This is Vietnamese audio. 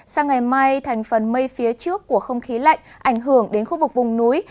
sang ngày mai thành phần mây phía trước của không khí lạnh ảnh hưởng đến khu vực vùng núi